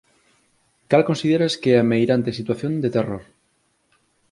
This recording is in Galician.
Cal consideras que é a meirande situación de terror?